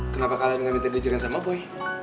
kenapa kalian ga minta dia jalan sama boy